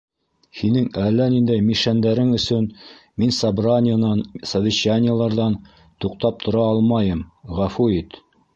Һинең әллә ниндәй мишшәндәрең өсөн мин собраниенан, совещаниеларҙан туҡтап тора алмайым, ғәфү ит!